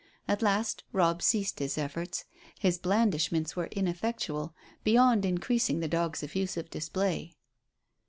At last Robb ceased his efforts. His blandishments were ineffectual beyond increasing the dog's effusive display.